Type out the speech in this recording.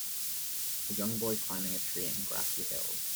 A young boy climbing a tree in grassy hills.